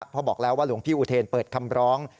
เพราะบอกแล้วว่าหลวงพี่อุเทนเปิดคำร้อง